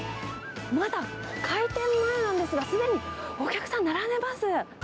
まだ開店前なんですが、すでにお客さん、並んでます。